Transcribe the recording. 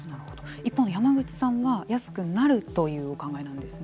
一方の山口さんは安くなるというお考えなんですね。